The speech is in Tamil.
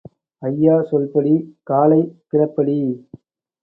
ஐயா சொல்படி காலைக் கிளப்படி.